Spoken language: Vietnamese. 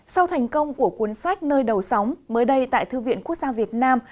sau thành công của cuốn sách nơi đầu sóng mới đây tại thư viện quốc gia việt nam